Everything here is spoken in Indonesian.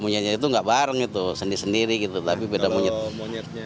monyetnya itu nggak bareng itu sendiri sendiri gitu tapi beda monyet monyetnya